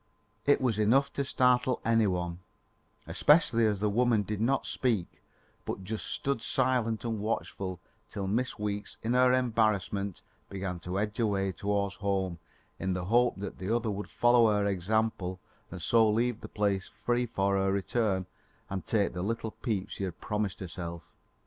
It was enough to startle any one, especially as the woman did not speak but just stood silent and watchful till Miss Weeks in her embarrassment began to edge away towards home in the hope that the other would follow her example and so leave the place free for her to return and take the little peep she had promised herself.